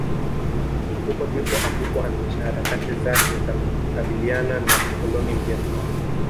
huko ndipo alipo anzisha harakati zake za kukabiliana na mkoloni Mjerumani